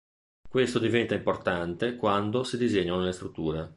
Questo diventa importante quando si disegnano le strutture.